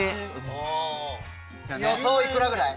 予想幾らぐらい？